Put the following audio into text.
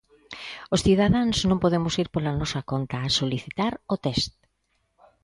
Os cidadáns non podemos ir pola nosa conta a solicitar o test.